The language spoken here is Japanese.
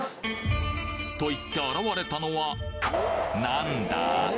と言って現れたのは何だ？